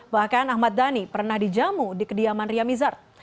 bahkan ahmad dhani pernah dijamu di kediaman ria mizar